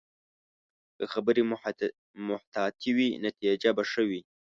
که خبرې محتاطې وي، نتیجه به ښه وي